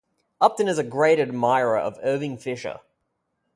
Upton is a great admirer of Irving Fisher.